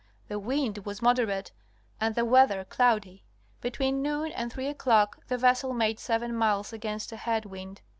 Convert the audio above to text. The wind was moderate and the weather cloudy. Between noon and three o'clock the vessel made seven miles against a head wind.